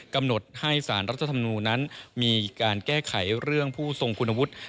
กำหนดให้สารรัฐธรรมนูญนั้นมีการแก้ไขเรื่องผู้ทรงคุณวุฒิ